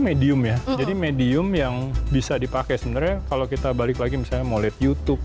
medium ya jadi medium yang bisa dipakai sebenarnya kalau kita balik lagi misalnya mau lihat youtube